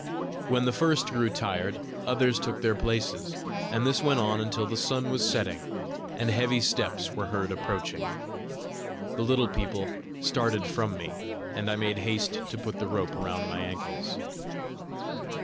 When the first grew tired, others took their places, and this went on until the sun was setting, and heavy steps were heard approaching. The little people started from me, and I made haste to put the rope round my ankles.